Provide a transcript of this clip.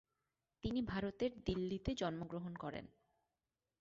তিনি ভারতের দিল্লিতে জন্মগ্রহণ করেন।